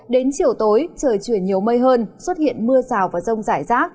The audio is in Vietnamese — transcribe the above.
đến chiều tối trời chuyển nhiều mây hơn xuất hiện mưa rào và rông rải rác